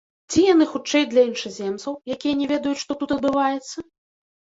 Ці яны хутчэй для іншаземцаў, якія не ведаюць, што тут адбываецца?